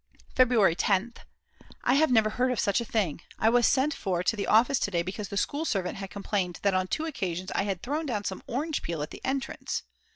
February 10th. I never heard of such a thing! I was sent for to the office to day because the school servant had complained that on two occasions I had thrown down some orange peel at the entrance.